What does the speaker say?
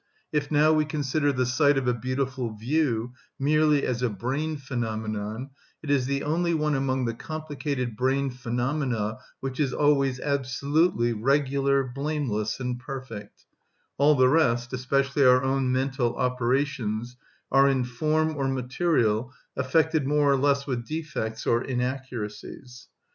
If now we consider the sight of a beautiful view, merely as a brain‐phenomenon, it is the only one among the complicated brain‐phenomena which is always absolutely regular, blameless, and perfect; all the rest, especially our own mental operations, are, in form or material, affected more or less with defects or inaccuracies.